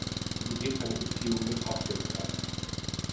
Sie geht eine Beziehung mit Hopkins ein.